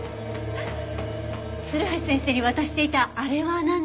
鶴橋先生に渡していたあれはなんですか？